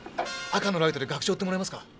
赤のライトで学長を追ってもらえますか？